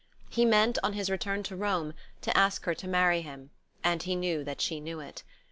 He meant, on his return to Rome, to ask her to marry him; and he knew that she knew it.